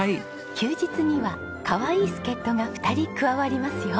休日にはかわいい助っ人が２人加わりますよ。